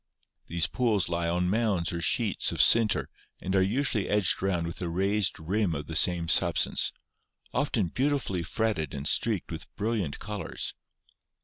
These pools lie on mounds or sheets of sinter and are usually edged round with a raised rim of the same sub stance, often beautifully fretted and streaked with brilliant colors.